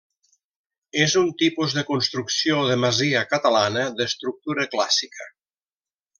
És un tipus de construcció de masia catalana d'estructura clàssica.